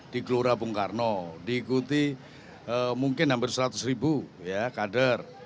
di gelora bung karno diikuti mungkin hampir seratus ribu kader